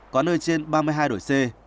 có nơi trên ba mươi hai độ c